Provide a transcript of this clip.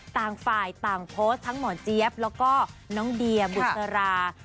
ต่างฝ่ายต่างโพสต์ทั้งหมอเจี๊ยบแล้วก็น้องเดียบุษรา